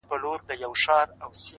په سپينه زنه كي خال ووهي ويده سمه زه ـ